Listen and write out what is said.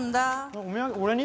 俺に？